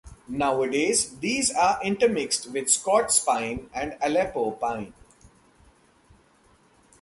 Nowadays, these are intermixed with Scots pine and Aleppo pine.